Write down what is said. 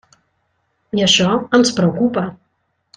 I això ens preocupa.